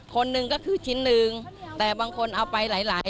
คนหนึ่งก็คือชิ้นหนึ่งแต่บางคนเอาไปหลายหลาย